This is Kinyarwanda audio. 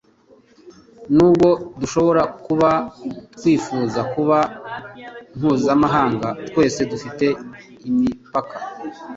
Nubwo dushobora kuba twifuza kuba mpuzamahanga twese dufite imipaka